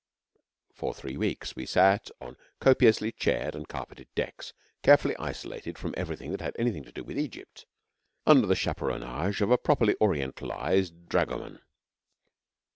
For three weeks we sat on copiously chaired and carpeted decks, carefully isolated from everything that had anything to do with Egypt, under chaperonage of a properly orientalised dragoman.